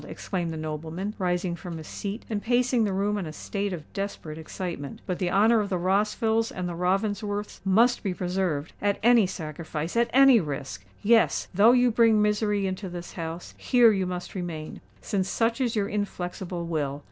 exclaimed the nobleman, rising from his seat and pacing the room in a state of desperate excitement. "But the honour of the Rossvilles and the Ravensworths must be preserved—at any sacrifice—at any risk!—Yes—though you bring misery into this house, here must you remain—since such is your inflexible will.